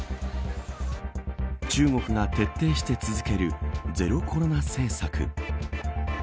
中国が徹底して続けるゼロコロナ政策。